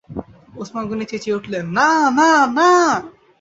ওসমান গনি চেঁচিয়ে উঠলেন, না না না।